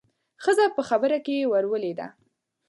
ښځه په خبره کې ورولوېدله.